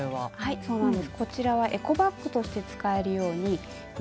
そうなんです。